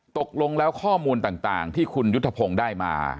ตกลงแล้วข้อมูลต่างที่คุณยุทธพงศ์ได้มา